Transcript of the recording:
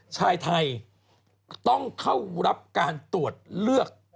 ชายไทยต้องเข้ารับการตรวจเลือก